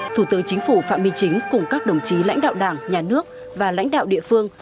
thủ tướng chính phủ phạm minh chính cùng các đồng chí lãnh đạo đảng nhà nước và lãnh đạo địa phương